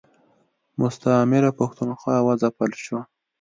مستعمره پښتونخوا و ځپل شوه.